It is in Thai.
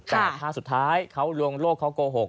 แต่ถ้าสุดท้ายเขาลวงโลกเขาโกหก